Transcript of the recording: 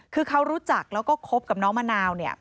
เขารู้จักแล้วก็คบกับน้องมะนาว